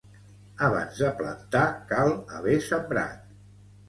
Abans de plantar cal haver sembrat